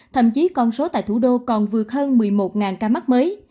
thậm chí con số tại thủ đô còn vượt hơn một mươi một ca mắc mới